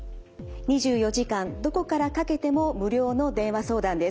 ２４時間どこからかけても無料の電話相談です。